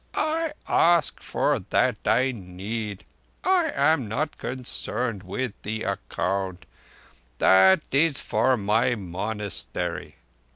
I ask for that I need. I am not concerned with the account. That is for my monastery.